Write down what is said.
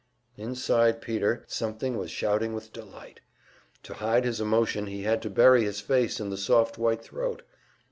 Inside Peter, something was shouting with delight. To hide his emotion he had to bury his face in the soft white throat.